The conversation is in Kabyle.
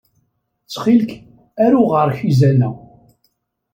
Ttxil-k, aru ɣer-k izen-a.